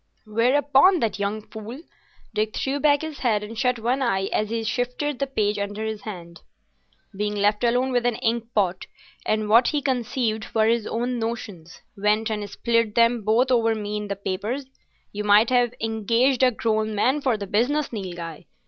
"Whereupon that young fool,"—Dick threw back his head and shut one eye as he shifted the page under his hand,—"being left alone with an ink pot and what he conceived were his own notions, went and spilt them both over me in the papers. You might have engaged a grown man for the business, Nilghai.